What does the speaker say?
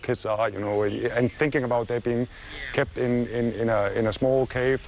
คิดว่าคุณรู้สึกยังไง